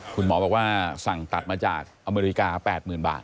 คุณหมอบอกว่าสั่งตัดมาจากอเมริกา๘๐๐๐บาท